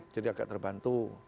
jadi agak terbantu